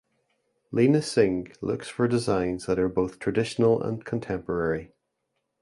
Leena Singh looks for designs that are both traditional and contemporary.